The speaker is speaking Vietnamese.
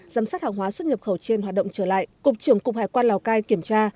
giám sát hàng hóa xuất nhập khẩu trên hoạt động trở lại cục trưởng cục hải quan lào cai kiểm tra